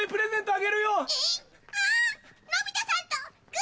あ！